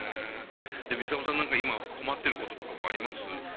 でミサオさん何か今困ってることとかもあります？